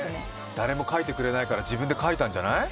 誰も書いてくれないから自分で書いたんじゃない？